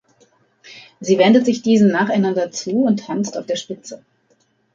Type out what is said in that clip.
Sie wendet sich diesen nacheinander zu und tanzt auf der Spitze.